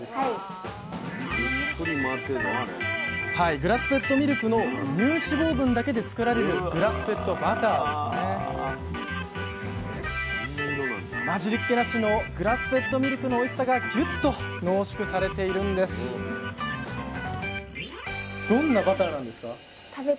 グラスフェッドミルクの乳脂肪分だけで作られる混じりっけなしのグラスフェッドミルクのおいしさがぎゅっと濃縮されているんですどんなバターなんですか？